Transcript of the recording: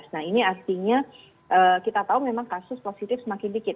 nah ini artinya kita tahu memang kasus positif semakin dikit